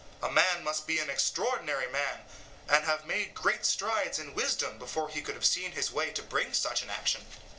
A man must be an extraordinary man, and have made great strides in wisdom, before he could have seen his way to bring such an action.